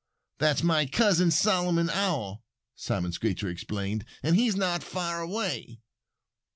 "That's my cousin, Solomon Owl," Simon Screecher explained. "And he's not far away."